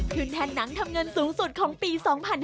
แทนหนังทำเงินสูงสุดของปี๒๕๕๙